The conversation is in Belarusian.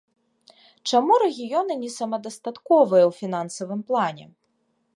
Чаму рэгіёны не самадастатковыя ў фінансавым плане?